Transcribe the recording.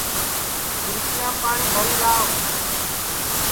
دِلکِیام پاٹؔی بھری لاو